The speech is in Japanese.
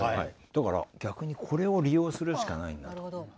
だから逆にこれを利用するしかないなと。